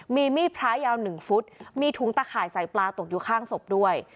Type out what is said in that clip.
มีมีดพระยาว๑ฟุตมีถุงตะข่ายใส่ปลาตกอยู่ข้างศพด้วย